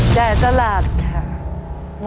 จ่ายตลาดค่ะ